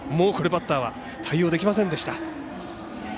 振るバッターは対応できませんでした。